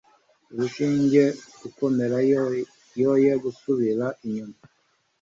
irusheho gukomera yoye gusubira inyuma